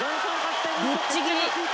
ぶっちぎり。